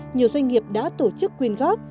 nhiều doanh nghiệp đã tổ chức quyên góp